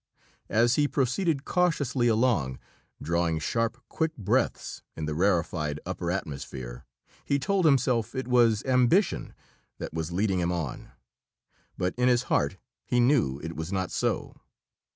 As he proceeded cautiously along, drawing sharp, quick breaths in the rarefied upper atmosphere, he told himself it was ambition that was leading him on, but in his heart he knew it was not so.